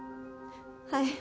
はい。